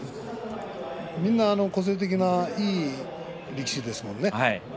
みんな個性的ないい力士だよね。